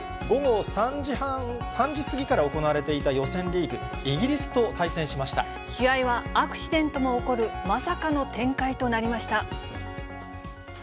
午後３時過ぎから行われていた予選リーグ、イギリスと対戦しまし試合はアクシデントも起こる、まさかの展開となりました。